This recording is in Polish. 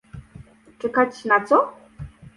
Czekać na co?